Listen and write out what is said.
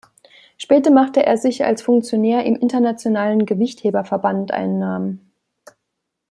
Später machte er sich als Funktionär im internationalen Gewichtheberverband einen Namen.